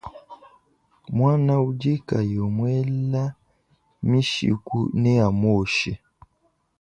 Muana udi kayi umuela mishiku neamuoshe.